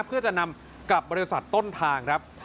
เพื่อจะนำกลับบริษัทต้นทางครับ